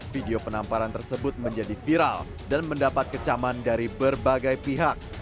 video penamparan tersebut menjadi viral dan mendapat kecaman dari berbagai pihak